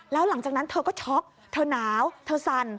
แล้วหลังจากนั้นเธอก็ช็อกเธอหนาวเธอสั่น